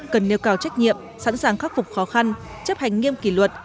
cần nêu cao trách nhiệm sẵn sàng khắc phục khó khăn chấp hành nghiêm kỷ luật